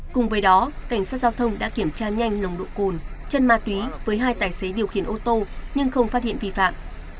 cùng với đó cảnh sát giao thông đã kiểm tra nhanh nồng độ cồn chân ma túy với hai tài xế điều khiển ô tô nhưng không phát hiện vi phạm